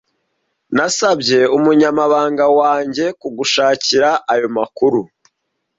Nasabye umunyamabanga wanjye kugushakira ayo makuru.